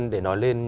để nói lên